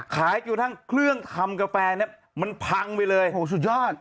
ขายอยู่ทั้งเครื่องทำกาแฟเนี่ยมันพังไว้เลยโหสุดยอด